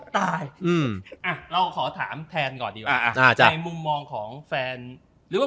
เราขอถามแทนก่อนดีกว่าในมุมมองของแฟนริวภู